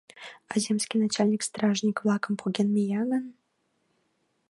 — А земский начальник стражник-влакым поген мия гын?